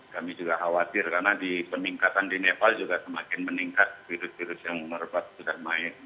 kami juga khawatir karena di peningkatan di nepal juga semakin meningkat virus virus yang merebak sudah naik